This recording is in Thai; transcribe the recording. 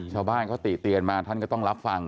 ชาวบ้านเขาติเตียนมาท่านก็ต้องรับฟัง